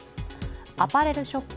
アパレルショップ